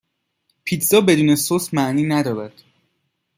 پیتزا بدون سس معنی ندارد